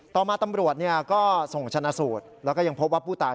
ต่อมาตำรวจก็ส่งชนะสูตรแล้วก็ยังพบว่าผู้ตาย